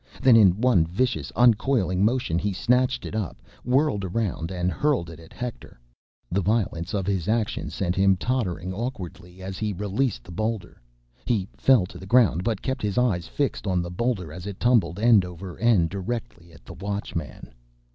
Then in one vicious uncoiling motion he snatched it up, whirled around, and hurled it at Hector. The violence of his action sent him tottering awkwardly as he released the boulder. He fell to the ground, but kept his eyes fixed on the boulder as it tumbled end over end, directly at the Watchman.